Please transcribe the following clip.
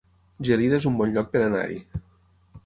Gelida es un bon lloc per anar-hi